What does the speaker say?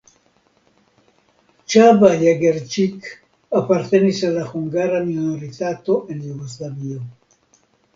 Csaba Jegercsik apartenis al la hungara minoritato en Jugoslavio.